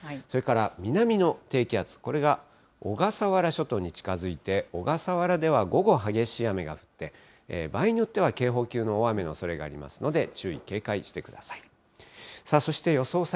それから南の低気圧、これが小笠原諸島に近づいて、小笠原では午後、激しい雨が降って、場合によっては警報級の大雨のおそれがありますので、注意、警戒してください。